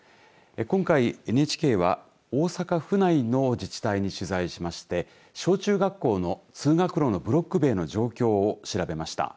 今回ＮＨＫは大阪府内の自治体に取材しまして小中学校の通学路のブロック塀の状況を調べました。